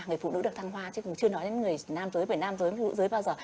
người phụ nữ được thăng hoa chứ cũng chưa nói đến người nam giới người phụ nữ nam giới bao giờ